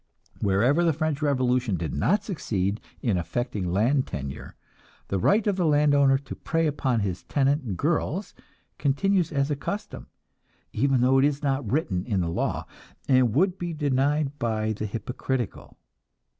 Wherever the French revolution did not succeed in affecting land tenure, the right of the land owner to prey upon his tenant girls continues as a custom, even though it is not written in the law, and would be denied by the hypocritical.